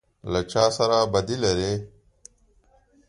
_ له چا سره بدي لری؟